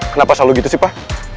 kenapa selalu gitu sih pak